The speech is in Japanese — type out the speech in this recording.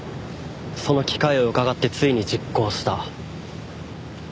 その機会をうかがってついに実行した。